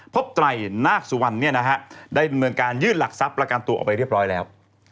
ไตรนาคสุวรรณได้ดำเนินการยื่นหลักทรัพย์ประกันตัวออกไปเรียบร้อยแล้ว